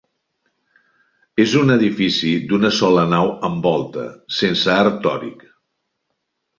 És un edifici d'una sola nau amb volta, sense arc tòric.